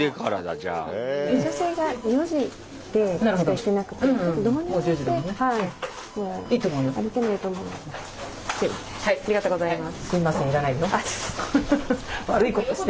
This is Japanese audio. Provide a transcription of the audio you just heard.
ありがとうございます。